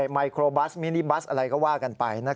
ไมโครบัสมินิบัสอะไรก็ว่ากันไป